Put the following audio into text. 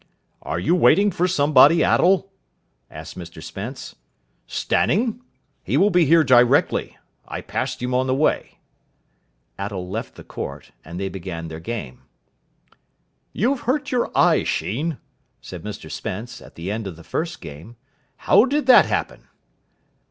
"Are you waiting for somebody, Attell?" asked Mr Spence. "Stanning? He will be here directly. I passed him on the way." Attell left the court, and they began their game. "You've hurt your eye, Sheen," said Mr Spence, at the end of the first game. "How did that happen?"